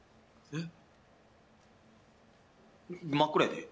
えっ？